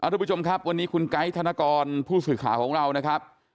ทุกผู้ชมครับวันนี้คุณไก๊ธนกรผู้สื่อข่าวของเรานะครับ